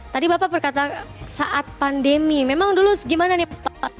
tadi bapak berkata saat pandemi memang dulu gimana nih pak